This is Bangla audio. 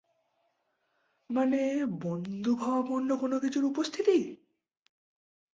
মানে বন্ধুভাবাপন্ন কোনোকিছুর উপস্থিতি?